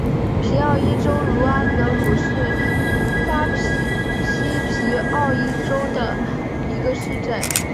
皮奥伊州茹阿泽鲁是巴西皮奥伊州的一个市镇。